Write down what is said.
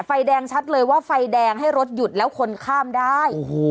ไฟแดงชัดเลยว่าไฟแดงให้รถหยุดแล้วคนข้ามได้